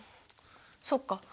そっか。